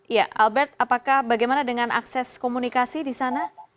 ya albert apakah bagaimana dengan akses komunikasi di sana